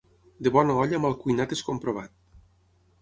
De bona olla mal cuinat és comprovat.